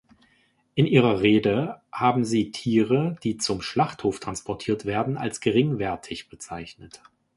In ihrer Rede haben Sie Tiere, die zum Schlachthof transportiert werden, als geringwertig bezeichnet.